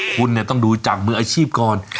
คุณต้องดูจากมืออาชีพก่อน